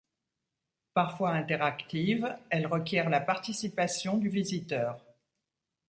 Parfois interactives, elles requièrent la participation du visiteur.